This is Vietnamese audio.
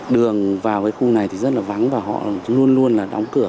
đường vào với khu này thì rất là vắng và họ luôn luôn là đóng cửa